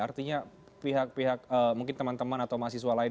artinya pihak pihak mungkin teman teman atau mahasiswa lain